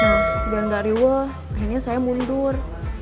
nah udah nggak riwuh akhirnya saya mundur